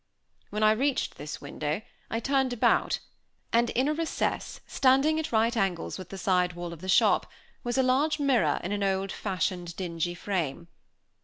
When I reached this window, I turned about, and in a recess, standing at right angles with the side wall of the shop, was a large mirror in an old fashioned dingy frame.